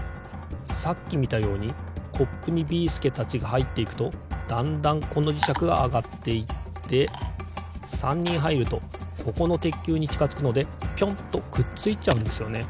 さっきみたようにコップにビーすけたちがはいっていくとだんだんこのじしゃくがあがっていって３にんはいるとここのてっきゅうにちかづくのでピョンとくっついちゃうんですよね。